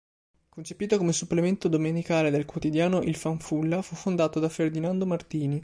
Concepito come supplemento domenicale del quotidiano "Il Fanfulla", fu fondato da Ferdinando Martini.